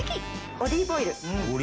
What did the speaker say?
オリーブオイル。